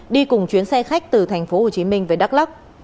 đi cùng chuyến xe khách từ tp hcm về đắk lắc